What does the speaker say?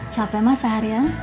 capek mas seharian